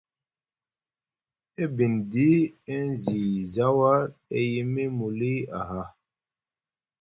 E bindi e zi zawar, e yimi muli aha.